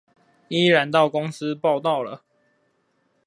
依然到公司報到了